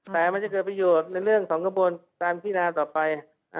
แต่มันจะเกิดประโยชน์ในเรื่องของกระบวนการพินาต่อไป